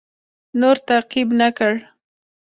نور تعقیب نه کړ.